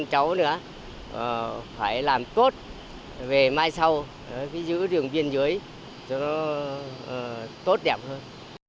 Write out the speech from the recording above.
con cháu nữa phải làm tốt về mai sau giữ đường biên giới cho nó tốt đẹp hơn